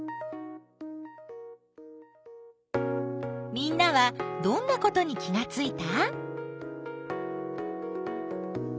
みんなはどんなことに気がついた？